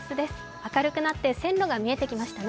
明るくなって線路が見えてきましたね。